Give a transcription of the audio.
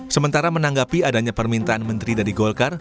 sementara menanggapi adanya permintaan menteri dari golkar